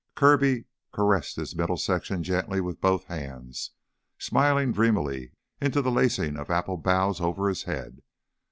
Kirby caressed his middle section gently with both hands, smiling dreamily into the lacing of apple boughs over his head.